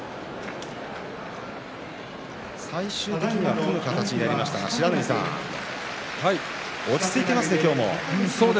最終的には組む形になりましたが落ち着いていますね、今日も。